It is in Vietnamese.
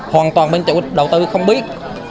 hoàn toàn bên chủ đầu tư không biết